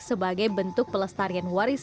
sebagai bentuk pelestarian waris